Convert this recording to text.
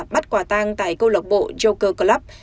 bắt quả tang tại câu lộc bộ joker club